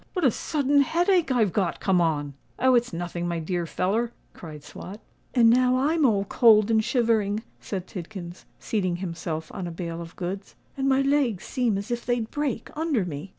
what a sudden headache I've got come on!" "Oh! it's nothing, my dear feller," cried Swot. "And now I'm all cold and shivering," said Tidkins, seating himself on a bale of goods; "and my legs seem as if they'd break under me."